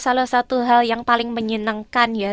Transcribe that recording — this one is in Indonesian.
salah satu hal yang paling menyenangkan ya